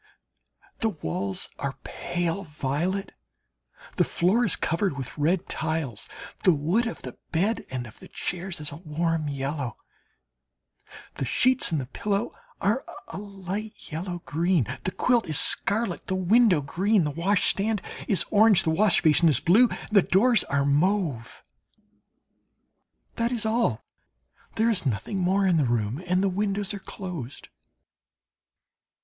The walls are pale violet, the floor is covered with red tiles, the wood of the bed and of the chairs is a warm yellow, the sheets and the pillow are a light yellow green, the quilt is scarlet, the window green, the washstand is orange, the wash basin is blue, and the doors are mauve. That is all there is nothing more in the room, and the windows are closed.